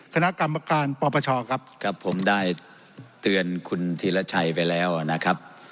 คณะกรรมการปปชครับกับผมได้เตือนคุณธีรชัยไปแล้วนะครับ